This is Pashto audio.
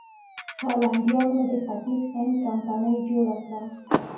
هالنډیانو د ختیځ هند کمپنۍ جوړه کړه.